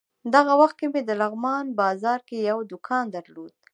دغه وخت کې مې د لغمان بازار کې یو دوکان درلود.